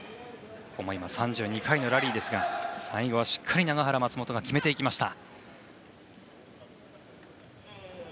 ３２回のラリーでしたが最後はしっかり永原、松本が決めていきました。